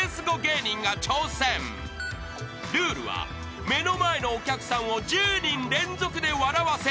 ［ルールは目の前のお客さんを１０人連続で笑わせる］